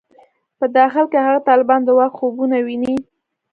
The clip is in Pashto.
په داخل کې هغه طالبان د واک خوبونه ویني.